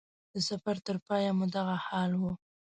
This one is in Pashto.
د سفر تر پای مو دغه حال و.